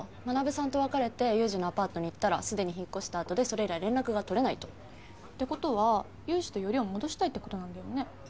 学さんと別れてユウジのアパートに行ったらすでに引っ越した後でそれ以来連絡が取れないと。ってことはユウジとよりを戻したいってことなんだよね？